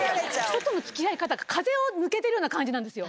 人とのつきあい方が、風を抜けてるような感じなんですよ。